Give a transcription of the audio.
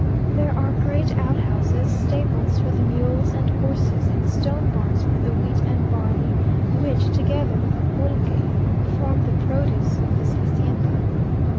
There are great outhouses, stables for the mules and horses, and stone barns for the wheat and barley, which, together with pulque, form the produce of this hacienda.